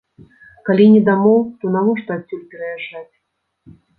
Калі не дамоў, то навошта адсюль пераязджаць?